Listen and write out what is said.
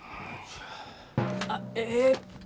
あええっと。